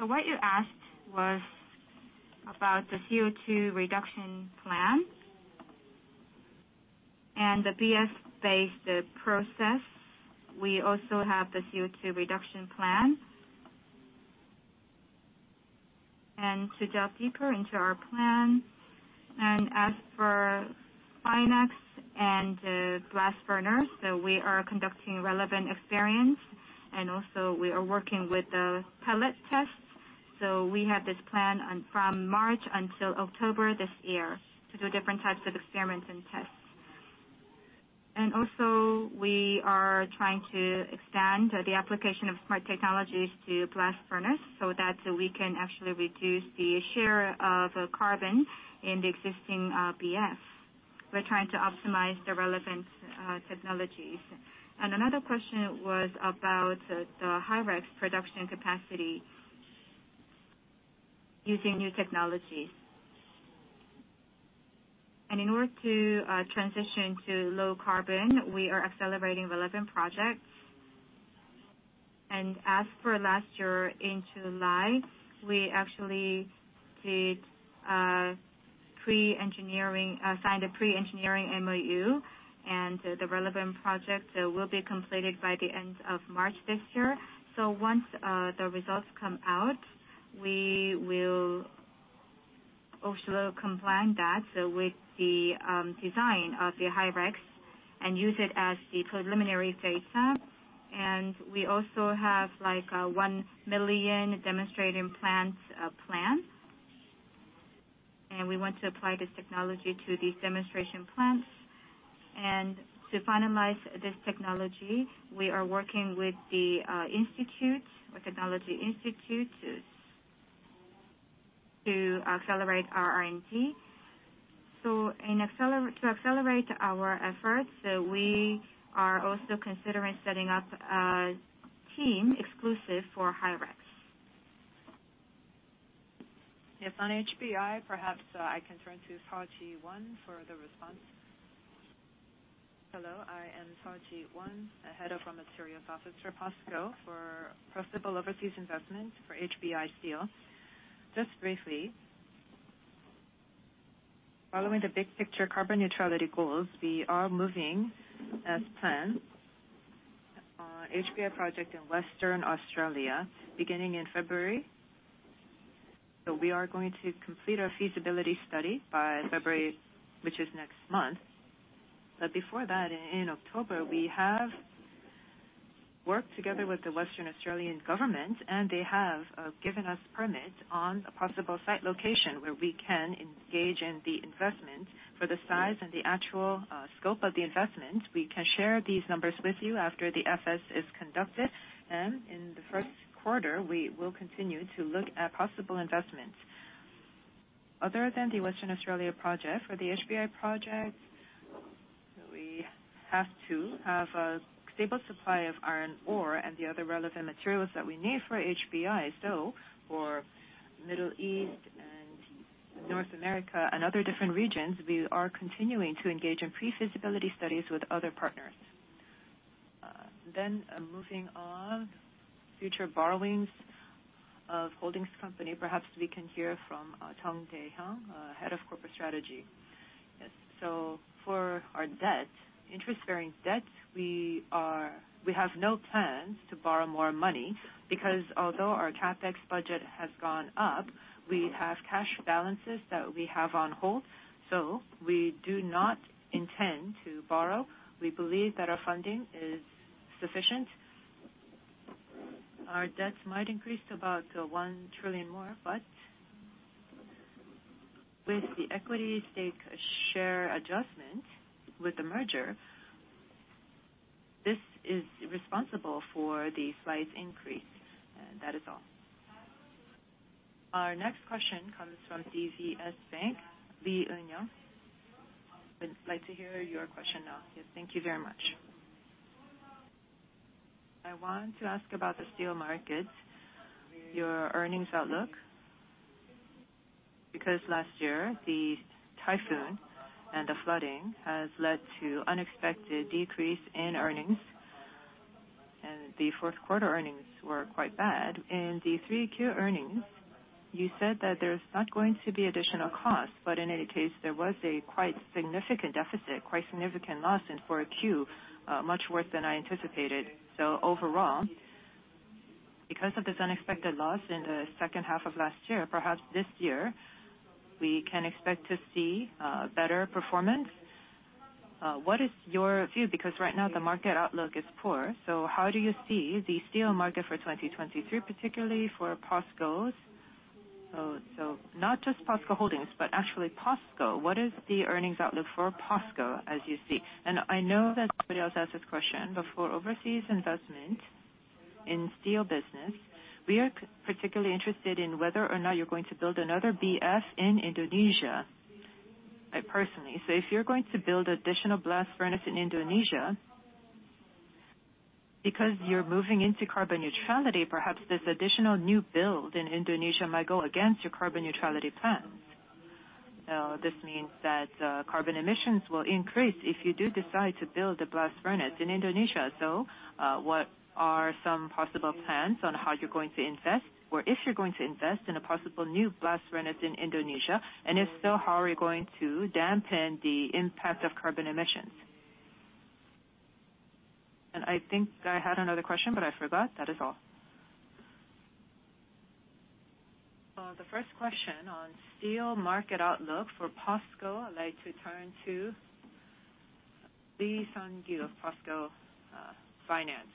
What you asked was about the CO2 reduction plan and the BS-based process. We also have the CO2 reduction plan. To delve deeper into our plan, as for finance and blast furnace, we are conducting relevant experience, we are working with the pellet tests. We have this plan on from March until October this year to do different types of experiments and tests. We are trying to extend the application of smart technologies to blast furnace so that we can actually reduce the share of carbon in the existing BF. We're trying to optimize the relevant technologies. Another question was about the HyREX production capacity using new technologies. In order to transition to low carbon, we are accelerating relevant projects. As for last year in July, we actually did pre-engineering. Signed a pre-engineering MOU. The relevant project will be completed by the end of March this year. Once the results come out, we will also combine that with the design of the HyREX and use it as the preliminary data. We also have, like, a 1 million demonstrating plants plan. We want to apply this technology to these demonstration plants. To finalize this technology, we are working with the institute, with technology institutes to accelerate our R&D. To accelerate our efforts, we are also considering setting up a team exclusive for HyREX. If on HBI, perhaps, I can turn to Seo Ji-won for the response. Hello, I am Seo Ji-won, Head of Raw Material Officer, POSCO, for possible overseas investment for HBI Steel. Just briefly, following the big picture carbon neutrality goals, we are moving as planned on HBI project in Western Australia beginning in February. We are going to complete our feasibility study by February, which is next month. Before that, in October, we have worked together with the Western Australian government, and they have given us permit on a possible site location where we can engage in the investment. For the size and the actual scope of the investment, we can share these numbers with you after the FS is conducted. In the first quarter, we will continue to look at possible investments. Other than the Western Australia project, for the HBI project, we have to have a stable supply of iron ore and the other relevant materials that we need for HBI. For Middle East and North America and other different regions, we are continuing to engage in pre-feasibility studies with other partners. Moving on, future borrowings of holdings company. Perhaps we can hear from, Jeong Ki-seop, Head of Corporate Strategy. Yes. For our debt, interest-bearing debt, we have no plans to borrow more money because although our CapEx budget has gone up, we have cash balances that we have on hold, so we do not intend to borrow. We believe that our funding is sufficient. Our debts might increase to about 1 trillion more, but with the equity stake share adjustment with the merger, this is responsible for the slight increase. That is all. Our next question comes from KB Securities, Lee Eun-jung. I'd like to hear your question now. Yes, thank you very much. I want to ask about the steel markets, your earnings outlook, because last year the typhoon and the flooding has led to unexpected decrease in earnings, and the 4Q earnings were quite bad. In the 3Q earnings, you said that there's not going to be additional costs, but in any case, there was a quite significant deficit, quite significant loss in 4Q, much worse than I anticipated. Overall, because of this unexpected loss in the second half of last year, perhaps this year we can expect to see better performance. What is your view? Right now the market outlook is poor, so how do you see the steel market for 2023, particularly for POSCO? Not just POSCO Holdings, but actually POSCO. What is the earnings outlook for POSCO as you see? I know that somebody else asked this question, but for overseas investment in steel business, we are particularly interested in whether or not you're going to build another BF in Indonesia, I personally. If you're going to build additional blast furnace in Indonesia, because you're moving into carbon neutrality, perhaps this additional new build in Indonesia might go against your carbon neutrality plans. This means that carbon emissions will increase if you do decide to build a blast furnace in Indonesia. What are some possible plans on how you're going to invest, or if you're going to invest in a possible new blast furnace in Indonesia? If so, how are you going to dampen the impact of carbon emissions? I think I had another question, but I forgot. That is all. The first question on steel market outlook for POSCO, I'd like to turn to Lee Sang-gil of POSCO Finance.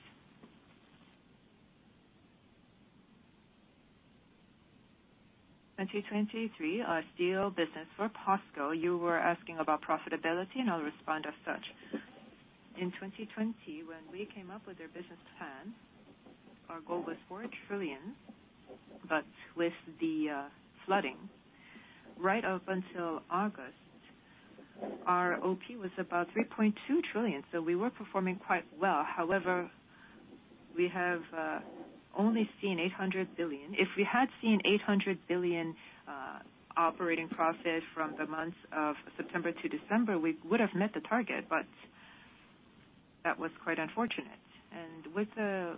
2023, our steel business for POSCO, you were asking about profitability. I'll respond as such. In 2020, when we came up with their business plan, our goal was 4 trillion. With the flooding, right up until August, our OP was about 3.2 trillion, so we were performing quite well. However, we have only seen 800 billion. If we had seen 800 billion operating profit from the months of September to December, we would have met the target, but that was quite unfortunate. With the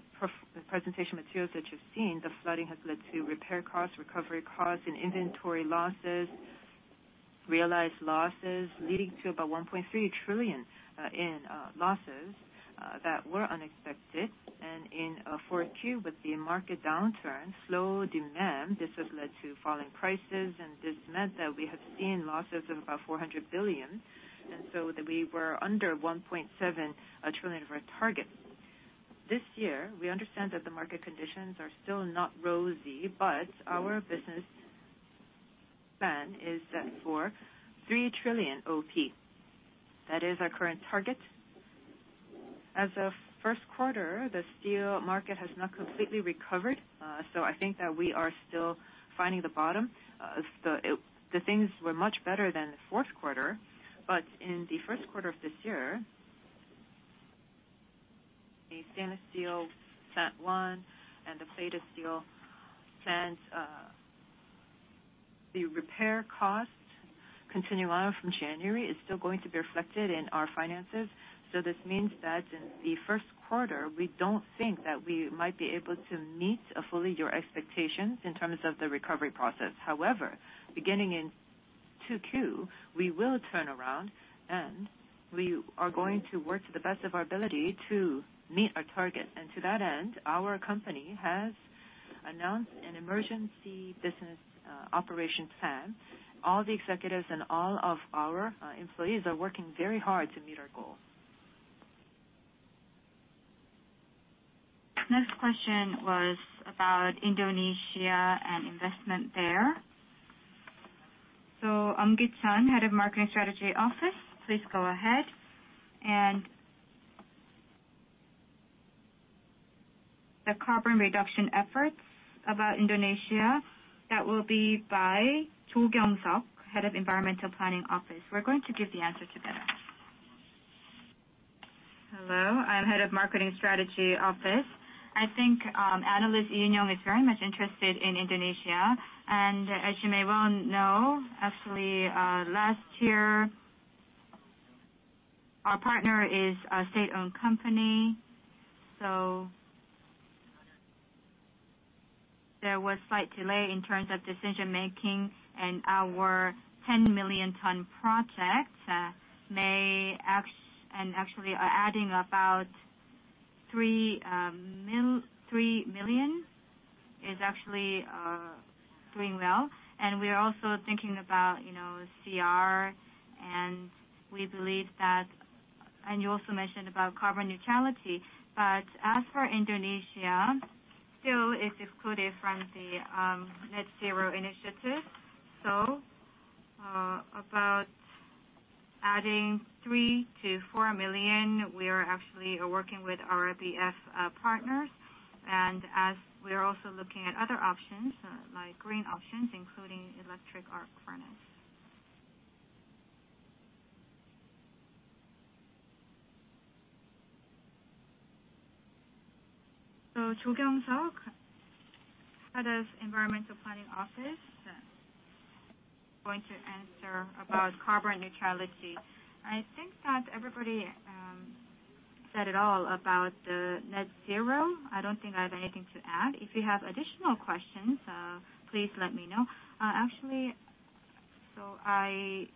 presentation materials that you've seen, the flooding has led to repair costs, recovery costs and inventory losses, realized losses leading to about 1.3 trillion in losses that were unexpected. In 4Q, with the market downturn, slow demand, this has led to falling prices. This meant that we have seen losses of about 400 billion, we were under 1.7 trillion of our target. This year, we understand that the market conditions are still not rosy, but our business plan is set for 3 trillion OP. That is our current target. As of 1st quarter, the steel market has not completely recovered, so I think that we are still finding the bottom. The things were much better than the 4th quarter. In the 1st quarter of this year, the stainless steel plant 1 and the plated steel plant, the repair costs continue on from January is still going to be reflected in our finances. This means that in the 1st quarter we don't think that we might be able to meet fully your expectations in terms of the recovery process. Beginning in 2Q, we will turn around and we are going to work to the best of our ability to meet our target. To that end, our company has announced an emergency business operations plan. All the executives and all of our employees are working very hard to meet our goal. Next question was about Indonesia and investment there. Eom Ki-cheon, Head of Marketing Strategy Office, please go ahead. The carbon reduction efforts about Indonesia. That will be by Cho Kyung-suk, Head of Environmental Planning Office. We're going to give the answer together. Hello. I'm Head of Marketing Strategy Office. I think, analyst Union is very much interested in Indonesia. As you may well know, actually, last year, our partner is a state-owned company, so there was slight delay in terms of decision-making. Our 10 million ton project, actually adding about 3 million is actually doing well. We are also thinking about, you know, CR, and we believe that. You also mentioned about carbon neutrality. As for Indonesia, still it's excluded from the net zero initiative. About adding 3 million-4 million, we are actually working with RFBF partners. As we are also looking at other options, like green options, including electric arc furnace. Cho Kyung-suk, Head of Environmental Planning Office, going to answer about carbon neutrality. I think that everybody said it all about the net zero. I don't think I have anything to add. If you have additional questions, please let me know. Actually, I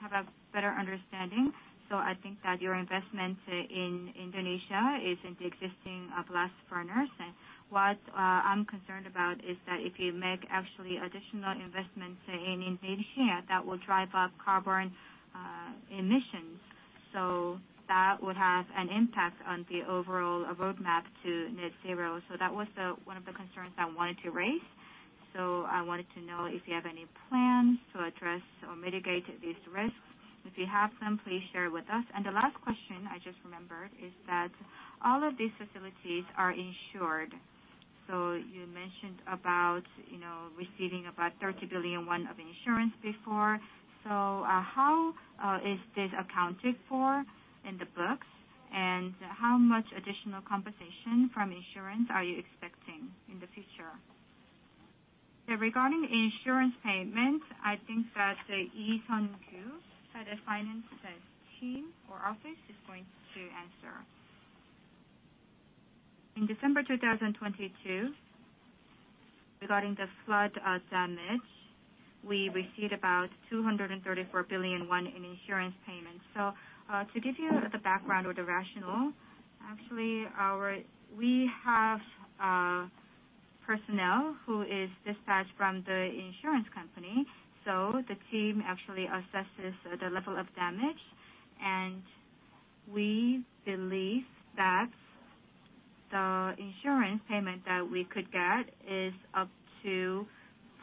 have a better understanding. I think that your investment in Indonesia is in the existing blast furnace. What I'm concerned about is that if you make actually additional investments in Indonesia, that will drive up carbon emissions. That would have an impact on the overall roadmap to net zero. That was one of the concerns I wanted to raise. I wanted to know if you have any plans to address or mitigate these risks. If you have some, please share with us. The last question I just remembered is that all of these facilities are insured. You mentioned about, you know, receiving about 30 billion won of insurance before. How is this accounted for in the books? How much additional compensation from insurance are you expecting in the future? Regarding insurance payments, I think that Lee Sang-gil, Head of Finance Team or Office is going to answer. In December 2022, regarding the flood damage, we received about 234 billion in insurance payments. To give you the background or the rationale, actually we have personnel who is dispatched from the insurance company. The team actually assesses the level of damage. We believe that the insurance payment that we could get is up to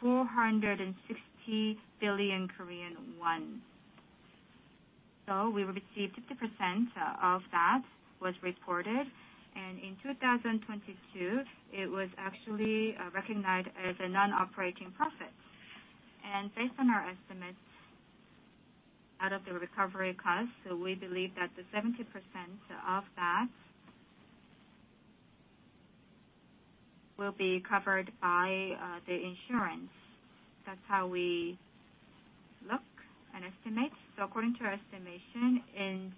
KRW 460 billion. We will receive 50% of that was reported. In 2022, it was actually recognized as a non-operating profit. Based on our estimates, out of the recovery cost, we believe that the 70% of that will be covered by the insurance. That's how we look and estimate. According to our estimation,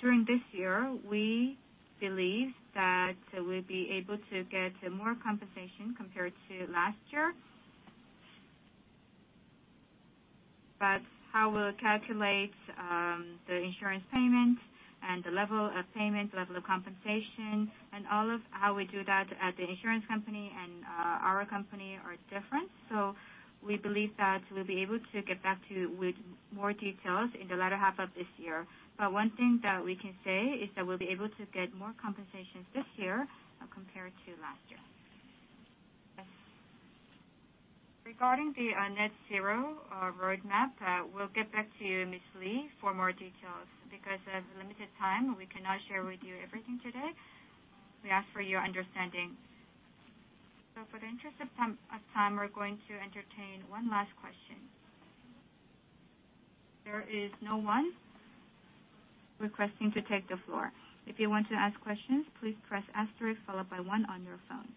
during this year, we believe that we'll be able to get more compensation compared to last year. How we'll calculate the insurance payment and the level of payment, level of compensation, and all of how we do that at the insurance company and our company are different. We believe that we'll be able to get back to you with more details in the latter half of this year. One thing that we can say is that we'll be able to get more compensation this year compared to last year. Regarding the net zero roadmap, we'll get back to you, Ms. Lee, for more details. Because of limited time, we cannot share with you everything today. We ask for your understanding. For the interest of time, we're going to entertain one last question. There is no one requesting to take the floor. If you want to ask questions, please press asterisk followed by one on your phone.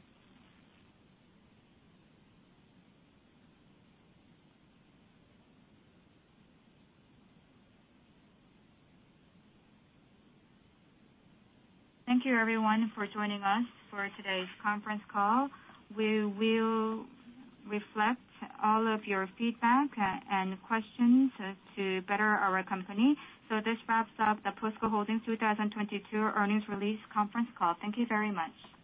Thank you everyone for joining us for today's conference call. We will reflect all of your feedback and questions to better our company. This wraps up the POSCO Holdings 2022 earnings release conference call. Thank you very much.